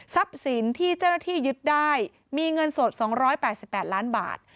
สินที่เจ้าหน้าที่ยึดได้มีเงินสด๒๘๘ล้านบาท